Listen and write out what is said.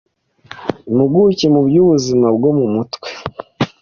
Impuguke mu by’ubuzima bwo mu mutwe